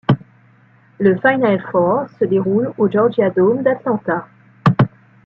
Le Final Four se déroule au Georgia Dome d'Atlanta.